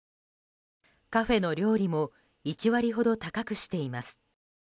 カフェの料理も１割ほど高くしています。